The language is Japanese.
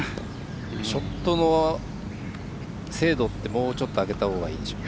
ショットの精度はもうちょっと上げたほうがいいでしょうか？